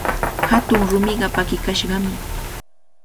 Hatun rumiqa pakikashqami.